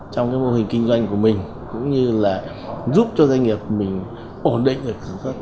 trong mô hình kinh doanh của mình cũng như là giúp cho doanh nghiệp mình ổn định